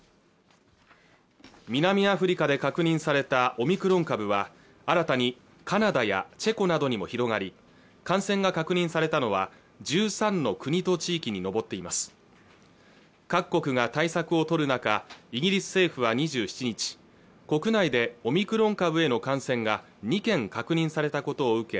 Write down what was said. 南アフリカで確認されたオミクロン株は新たにカナダやチェコなどにも広がり感染が確認されたのは１３の国と地域に上っています各国が対策をとる中イギリス政府は２７日国内でオミクロン株への感染が２件確認されたことを受け